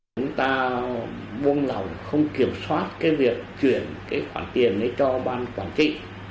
chúng ta buông lỏng không kiểm soát cái việc truyền cái khoản tiền ấy cho ban quản trị